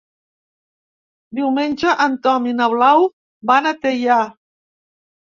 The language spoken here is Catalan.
Diumenge en Tom i na Blau van a Teià.